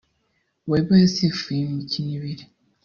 Webb yasifuye imikino ibiri